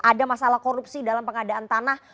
ada masalah korupsi dalam pengadaan tanah